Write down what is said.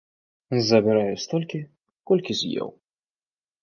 Забіраю столькі, колькі з'еў.